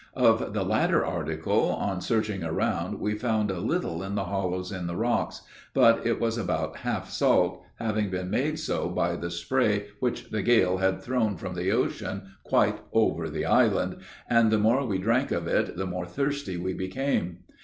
Of the latter article, on searching around, we found a little in the hollows on the rocks, but it was about half salt, having been made so by the spray which the gale had thrown from the ocean quite over the island, and the more we drank of it the more thirsty we became.